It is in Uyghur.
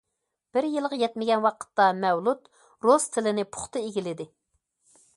بىر يىلغا يەتمىگەن ۋاقىتتا، مەۋلۇت رۇس تىلىنى پۇختا ئىگىلىدى.